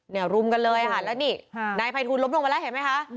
รุมกันเลยค่ะแล้วนี่นายภัยทูลล้มลงไปแล้วเห็นไหมคะ